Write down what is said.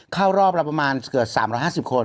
เข้ารอบละประมาณเกือบ๓๕๐คน